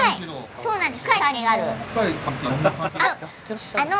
そうなんです。